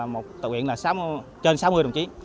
một tội quyện là trên sáu mươi đồng chí